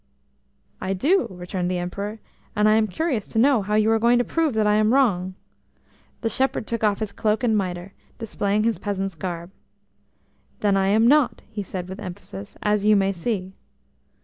"I do," returned the Emperor, "and I am curious to know how you are going to prove that I am wrong!" The shepherd took off his cloak and mitre, displaying his peasant's garb. "Then I am not," he said with emphasis, "as you may see."